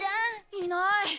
いない。